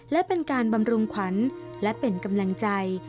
และเป็นการบำรุงขวัญและเป็นกำลังใจ